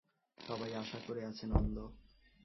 সবাই আশা করে আছে নন্দ।